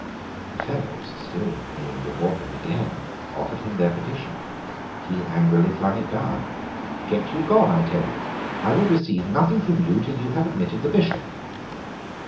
The Fellows, still kneeling before him, again offered him their petition. He angrily flung it down. "Get you gone, I tell you. I will receive nothing from you till you have admitted the Bishop."